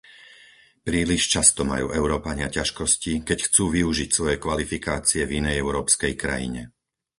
Príliš často majú Európania ťažkosti, keď chcú využiť svoje kvalifikácie v inej európskej krajine.